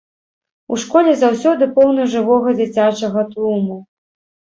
У школе заўсёды поўна жывога дзіцячага тлуму.